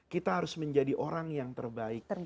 kita harus menjadi orang yang terbaik